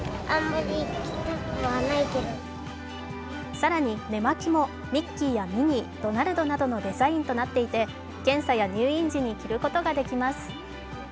更に寝巻きもミッキーやミニー、ドナルドなどのデザインとなっていて検査や入院時に着ることができます。